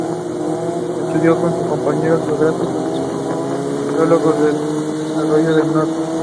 Estudió con su compañero geógrafos y sociólogos del "subdesarrollo" del Norte.